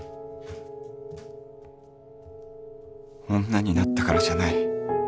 女になったからじゃない